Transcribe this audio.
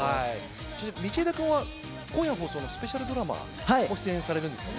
道枝君は、今夜放送のスペシャルドラマ、ご出演されるんですよね。